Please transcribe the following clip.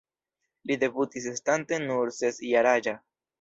Li debutis estante nur ses-jaraĝa.